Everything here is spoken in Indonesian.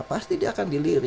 pasti dia akan dilirik